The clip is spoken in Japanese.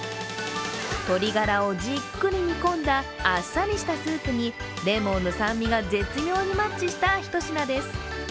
鶏ガラをじっくり煮込んだあっさりしたスープにレモンの酸味が絶妙にマッチした一品です。